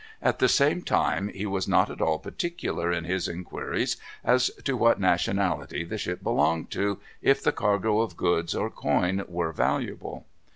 At the same time he was not at all particular in his inquiries as to what nationality the ship belonged to, if the cargo of goods or coin were valuable.